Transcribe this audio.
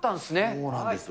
そうなんですよ。